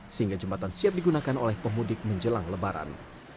sehingga jembatan siap digunakan oleh pemudik menjelang lebaran